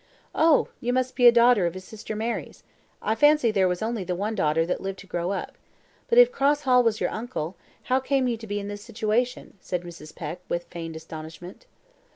"Oh, you must be a daughter of his sister Mary's; I fancy there was only the one daughter that lived to grow up. But if Cross Hall was your uncle, how came you to be in this situation?" said Mrs. Peck, with feigned astonishment.